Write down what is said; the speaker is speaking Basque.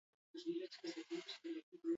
Blogarien solasaldiak ez du huts egingo.